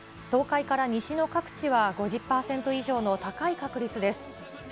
東海から西の各地は５０％以上の高い確率です。